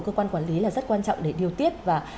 cơ quan quản lý là rất quan trọng để điều tiết và